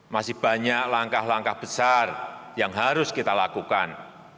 masih banyak langkah langkah besar yang harus kita lakukan